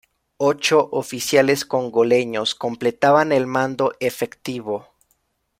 Ocho oficiales congoleños completaban el mando efectivo.